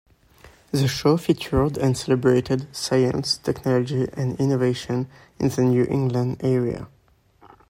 The show featured and celebrated science, technology, and innovation in the New England area.